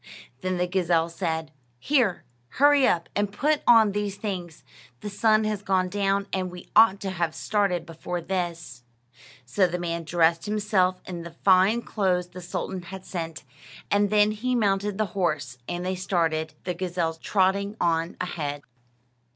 Then the gazelle said: "Here, hurry up and put on these things. The sun has gone down, and we ought to have started before this." So the man dressed himself in the fine clothes the sultan had sent, and then he mounted the horse, and they started; the gazelle trotting on ahead.